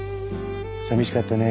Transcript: さみしかったね。